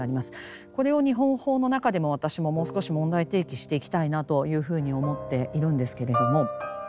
これを日本法の中でも私ももう少し問題提起していきたいなというふうに思っているんですけれども。